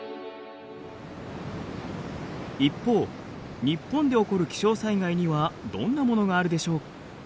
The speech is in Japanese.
一方日本で起こる気象災害にはどんなものがあるでしょう？